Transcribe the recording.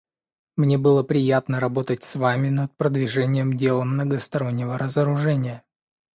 Мне было приятно работать с вами над продвижением дела многостороннего разоружения.